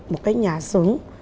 một cái nhà xưởng